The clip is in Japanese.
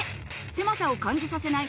狭さを感じさせない